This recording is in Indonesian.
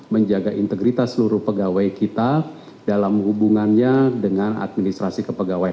menjaga integritas seluruh pegawai kita dalam hubungannya dengan administrasi kepegawaian